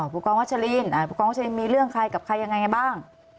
ผู้กองวัชลินผู้กองวัชลินมีเรื่องใครกับใครยังไงบ้าง